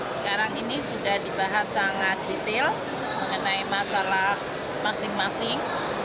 sekarang ini sudah dibahas sangat detail mengenai masalah masing masing